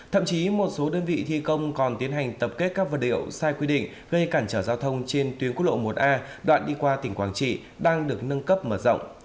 thậm chí một số đơn vị thi công còn tiến hành tập kết các vật liệu sai quy định gây cản trở giao thông trên tuyến quốc lộ một a đoạn đi qua tỉnh quảng trị đang được nâng cấp mở rộng